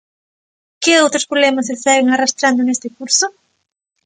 ¿Que outros problemas se seguen arrastrando neste curso?